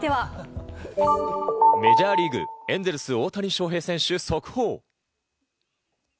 続いては、メジャーリーグ、エンゼルス・大谷翔平選手、速報。